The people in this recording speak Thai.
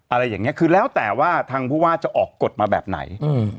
อะไรอย่างนี้คือแล้วแต่ว่าทางผู้ว่าจะออกกฎมาแบบไหน